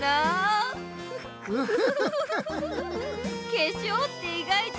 けしょうって意外と！